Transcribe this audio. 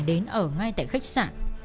đến ở ngay tại khách sạn